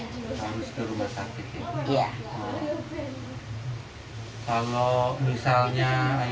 kami juga mencari jalan untuk mencari jalan